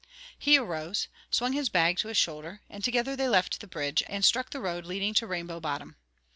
He arose, swung his bag to his shoulder, and together they left the bridge, and struck the road leading to Rainbow Bottom.